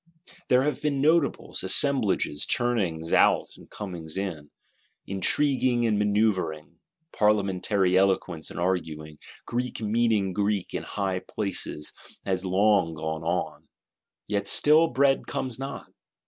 There have been Notables, Assemblages, turnings out and comings in. Intriguing and manœuvring; Parliamentary eloquence and arguing, Greek meeting Greek in high places, has long gone on; yet still bread comes not.